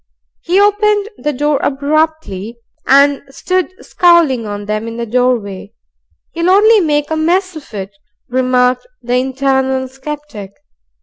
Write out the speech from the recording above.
He opened the door abruptly and stood scowling on them in the doorway. "You'll only make a mess of it," remarked the internal sceptic.